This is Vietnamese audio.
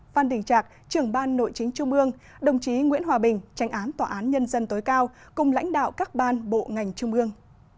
phan đình trạc trưởng ban nội chính trung ương đồng chí nguyễn hòa bình tránh án tòa án nhân dân tối cao cùng lãnh đạo các ban bộ ngành trung ương